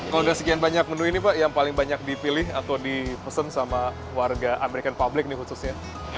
kalau udah sekian banyak menu ini pak yang paling banyak dipilih atau dipesan sama warga american public nih khususnya